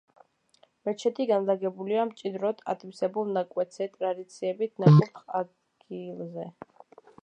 მეჩეთი განლაგებულია მჭიდროდ ათვისებულ ნაკვეთზე, ტრადიციებით ნაკურთხ ადგილზე.